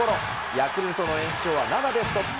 ヤクルトの連勝は７でストップ。